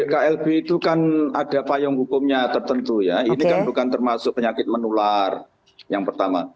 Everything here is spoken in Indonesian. klb itu kan ada payung hukumnya tertentu ya ini kan bukan termasuk penyakit menular yang pertama